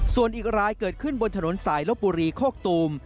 ส่วนอีกรายเกิดขึ้นบนถนนสายลบบุรีโคกตูม